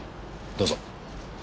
どうぞ。